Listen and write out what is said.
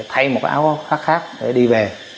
thay một áo khoác khác để đi về